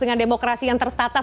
dengan demokrasi yang tertata